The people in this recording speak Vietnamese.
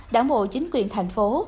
đảng bộ chính quyền thành phố